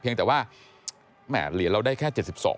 เพียงแต่ว่าเหรียญเราได้แค่๗๒